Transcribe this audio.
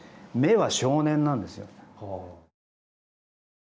目は少年なんですよ。